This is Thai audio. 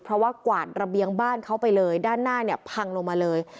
เพราะว่ากวาดระเบียงบ้านเขาไปเลยด้านหน้าเนี่ยพังลงมาเลย